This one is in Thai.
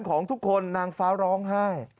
ของทุกคนนางฟ้าร้องไห้